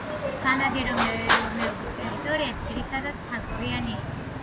სანადირო მეურნეობის ტერიტორია ძირითადად მთაგორიანი იყო.